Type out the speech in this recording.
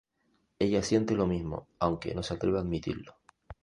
Ella siente lo mismo, aunque no se atreve a admitirlo.